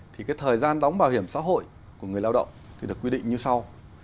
thì thời gian đóng bảo hiểm xã hội của người lao động được quy định như sau